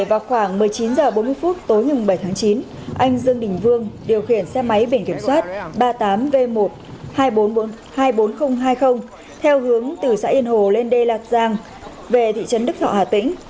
vào khoảng một mươi chín h bốn mươi tối ngày bảy tháng chín anh dương đình vương điều khiển xe máy biển kiểm soát ba mươi tám v một hai nghìn hai mươi bốn nghìn hai mươi theo hướng từ xã yên hồ lên đê lạc giang về thị trấn đức thọ hà tĩnh